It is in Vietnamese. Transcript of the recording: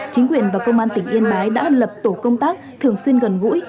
chính quyền và công an tỉnh yên bái đã lập tổ công tác thường xuyên gần gũi